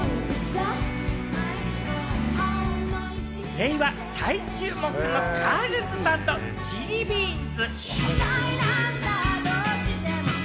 令和最注目のガールズバンド・ＣｈｉｌｌｉＢｅａｎｓ．。